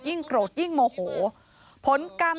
โกรธยิ่งโมโหผลกรรม